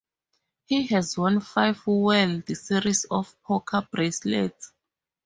He has won five World Series of Poker bracelets.